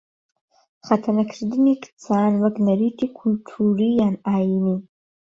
خەتەنەکردنی کچان وەک نەریتی کلتووری یان ئایینی